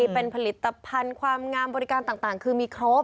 เป็นผลิตภัณฑ์ความงามบริการต่างคือมีครบ